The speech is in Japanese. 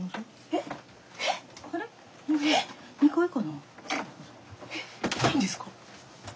えっいないんですか。